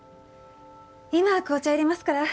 今紅茶を入れますから。